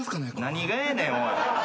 何がやねんおい。